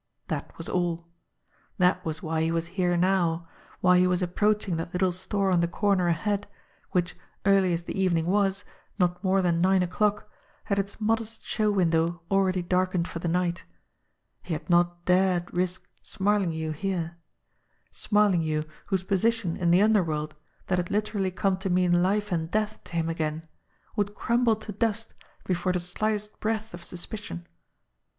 That was all. That was why he was here now, why he was approaching that little store on the corner ahead, which, early as the evening was, not more than nine o'clock, had its modest show window already darkened for the night he had not dared risk "Smarlinghue" here; Smarlinghue, whose position in the underworld, that had literally come to mean life and death to him again, would crumble to dust before the slightest breath of suspicion.